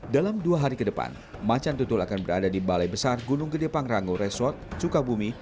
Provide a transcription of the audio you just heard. dalam dua hari ke depan macan tutul akan berada di balai besar gunung gede pangrango resort sukabumi